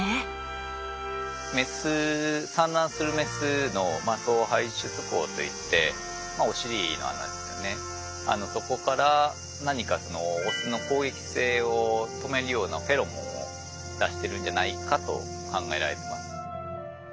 産卵するメスの総排出口といってまあお尻の穴そこから何かそのオスの攻撃性を止めるようなフェロモンを出してるんじゃないかと考えられています。